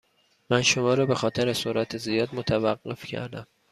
من شما را به خاطر سرعت زیاد متوقف کردم.